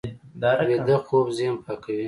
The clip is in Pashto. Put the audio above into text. ویده خوب ذهن پاکوي